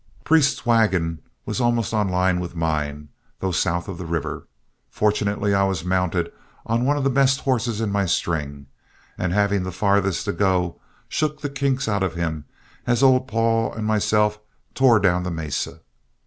Priest's wagon was almost on a line with mine, though south of the river. Fortunately I was mounted on one of the best horses in my string, and having the farthest to go, shook the kinks out of him as old Paul and myself tore down the mesa.